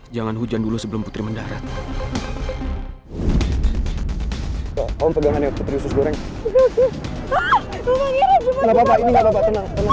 jangan hujan dulu sebelum putri mendarat